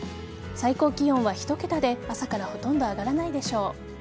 最高気温は１桁で朝からほとんど上がらないでしょう。